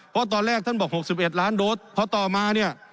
เพราะตอนแรกท่านบอกหกสิบเอ็ดล้านโดสต์เพราะต่อมาเนี้ย